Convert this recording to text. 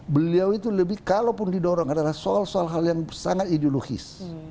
beliau itu lebih kalaupun didorong adalah soal soal hal yang sangat ideologis